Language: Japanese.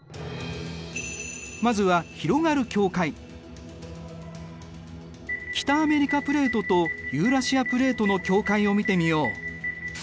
まずは北アメリカプレートとユーラシアプレートの境界を見てみよう。